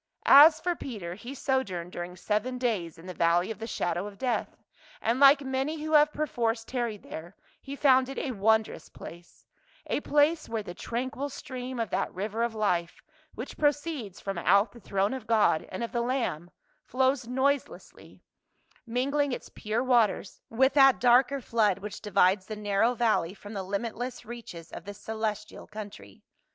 As for Peter, he sojourned during seven days in the A STRONG DELIVERER. 257 valley of the shadow of death, and like many who have perforce tarried there, he found it a wondrous place, a place where the tranquil stream of that river of life which proceeds from out the throne of God and of the Lamb flows noiselessly, mingling its pure waters with that darker flood which divides the narrow valley from the limitless reaches of the celestial country.